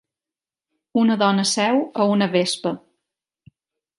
Una dona seu a una vespa.